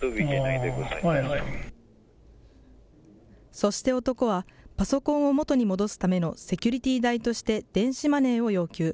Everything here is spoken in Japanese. そして男はパソコンを元に戻すためのセキュリティー代として電子マネーを要求。